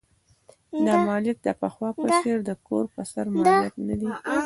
دا مالیات د پخوا په څېر د کور پر سر مالیات نه دي.